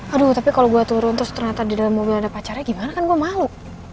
aduh tapi kalau gue turun terus ternyata di dalam mobil ada pacarnya gimana kan gue malu